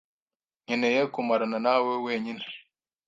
nkeneye kumarana nawe wenyine.